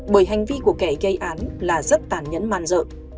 bởi hành vi của kẻ gây án là rất tàn nhẫn màn rợ